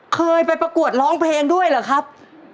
เคยไปประกวดร้องเพลงด้วยเหรอครับ